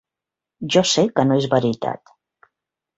Jo sé que no és veritat.